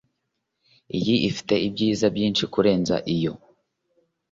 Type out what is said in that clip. Iyi ifite ibyiza byinshi kurenza iyo